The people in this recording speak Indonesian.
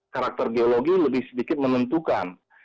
karakter geologi lebih sedikit menentukan